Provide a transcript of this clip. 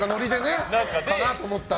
そうかなと思ったら。